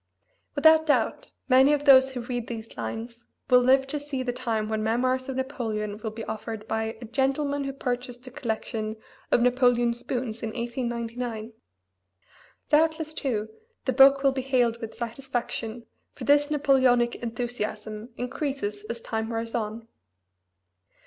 Without doubt many of those who read these lines will live to see the time when memoirs of Napoleon will be offered by "a gentleman who purchased a collection of Napoleon spoons in 1899"; doubtless, too, the book will be hailed with satisfaction, for this Napoleonic enthusiasm increases as time wears on.